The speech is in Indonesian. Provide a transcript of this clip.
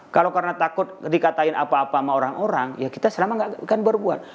kalau karena takut dikatakan apa apa sama orang orang ya kita selama gak akan berbuat